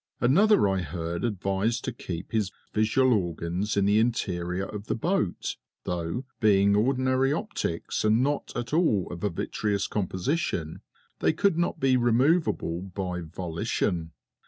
Another I heard advised to keep his visual organs in the interior of the boat, though, being ordinary optics and not at all of a vitreous composition, they could not be removable by volition.